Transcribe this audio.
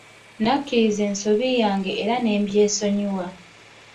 Nakkiriza ensobi yange era ne mbyesonyiwa.